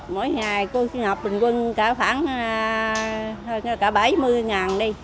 mỗi ngày cô xin học bình quân cả khoảng bảy mươi đi